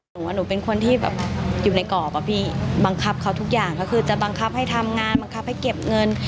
หนูเป็นคนที่แบบอยู่ในกรอบอะพี่บังคับเขาทุกอย่างก็คือจะบังคับให้ทำงานบังคับให้เก็บเงิน